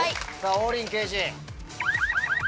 王林刑事。